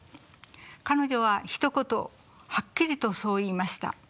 彼女はひと言はっきりとそう言いました。